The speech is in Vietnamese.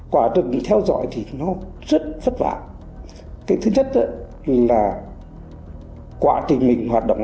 quá trình mình hoạt động